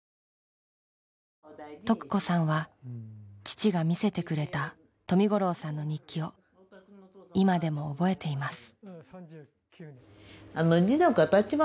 徳子さんは父が見せてくれた冨五郎さんの日記を今でも覚えています。